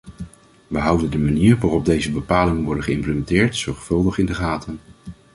We houden de manier waarop deze bepalingen worden geïmplementeerd zorgvuldig in de gaten.